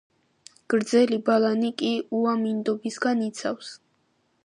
გრძელი ბალანი კი უამინდობისგან იცავს.